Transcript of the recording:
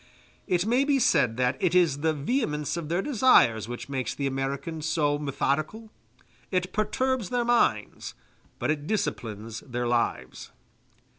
It may be said that it is the vehemence of their desires which makes the Americans so methodical; it perturbs their minds, but it disciplines their lives.